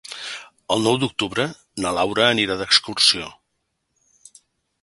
El nou d'octubre na Laura anirà d'excursió.